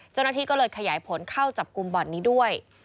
เจ้าหน้าที่ก็เลยขยายผลเข้าจับกลุ่มบ่อนนี้ด้วย